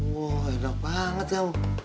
wah enak banget ya